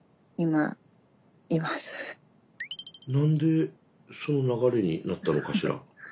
何でその流れになったのかしら。